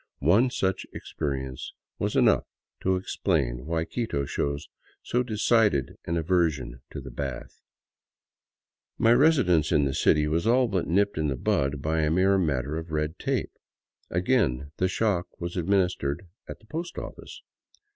One such experience was enough to explain why Quito shows so decided an aversion to the bath. My residence in the city was all but nipped in the bud by a mere matter of red tape. Again the shock was administered at the post office.